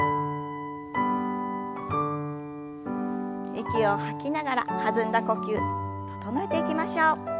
息を吐きながら弾んだ呼吸整えていきましょう。